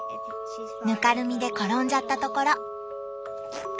ぬかるみで転んじゃったところ。